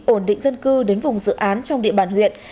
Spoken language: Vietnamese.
ổn định dân cư đến vùng dự án trong địa bàn huyện